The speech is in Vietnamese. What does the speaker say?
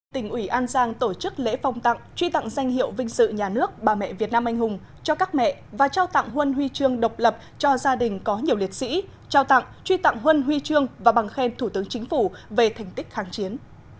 tỉnh ủy an giang tổ chức lễ phong tặng truy tặng danh hiệu vinh sự nhà nước bà mẹ việt nam anh hùng cho các mẹ và trao tặng huân huy trương độc lập cho gia đình có nhiều liệt sĩ trao tặng truy tặng huân huy trương và bằng khen thủ tướng chính phủ về thành tích kháng chiến